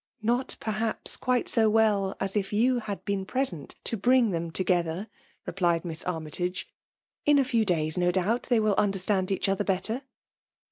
*^ Not, perhaps, qtiite so well as if you had been present to bring them together/* replied Miss Armytagc ;'' in a few days, no doubt, they will understand each other better."